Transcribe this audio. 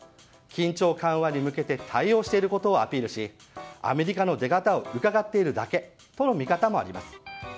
緊張緩和に向けて対応していることをアピールしアメリカの出方をうかがっているだけとの見方もあります。